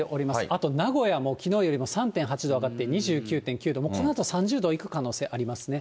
あと名古屋もきのうより３．８度上がって２９．９度、このあと３０度いく可能性ありますね。